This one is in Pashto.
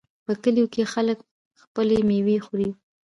په کلیو کې خلک خپلې میوې خوري.